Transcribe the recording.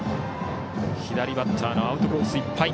左バッターのアウトコースいっぱい。